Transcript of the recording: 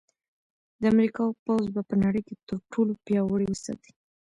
د امریکا پوځ به په نړۍ کې تر ټولو پیاوړی وساتي